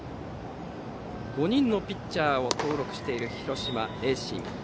５人のピッチャーを登録している広島・盈進。